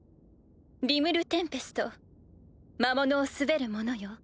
リムル＝テンペスト魔物を統べる者よ。